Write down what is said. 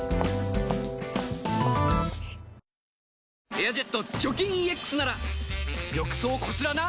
「エアジェット除菌ＥＸ」なら浴槽こすらな。